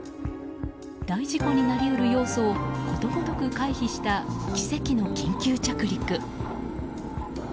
大事故になり得る要素をことごとく回避した奇跡の緊急着陸。